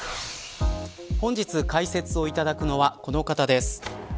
本日、解説をいただくのはこの方です。